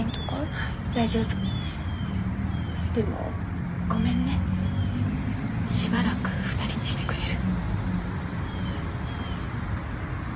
でもごめんねしばらく２人にしてくれる？